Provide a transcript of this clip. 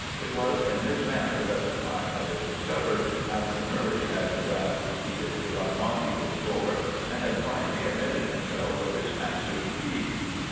It was in this manner that the crime had been discovered after Murray had rapped repeatedly on Monteagle's door and had finally admitted himself with his master's key.